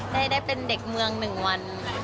แบบได้เป็นเด็กเมืองหนึ่งวัน